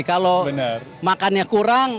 kalau makannya kurang